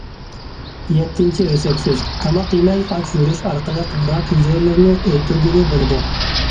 يەتتىنچى ئۆسەك سۆز: تاماق يېمەي ئاچ يۈرۈش ئارقىلىق راك ھۈجەيرىلىرىنى ئۆلتۈرگىلى بولىدۇ.